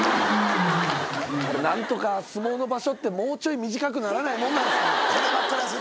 なんとか、相撲の場所って、もうちょい短くならないもんなんですか。